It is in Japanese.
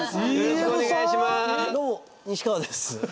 どうも西川です。